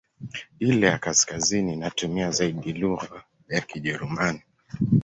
Ile ya kaskazini inatumia zaidi lugha ya Kijerumani.